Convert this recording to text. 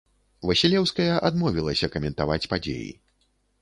Васілеўская адмовілася каментаваць падзеі.